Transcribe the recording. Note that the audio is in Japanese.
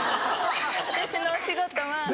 私のお仕事は。